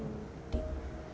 pak jarwo mungkin ya